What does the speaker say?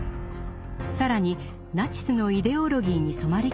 更にナチスのイデオロギーに染まり